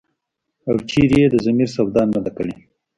او چرته ئې د ضمير سودا نه ده کړې ۔”